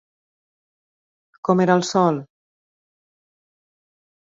Com era el sòl?